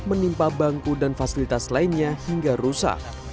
menimpa bangku dan fasilitas lainnya hingga rusak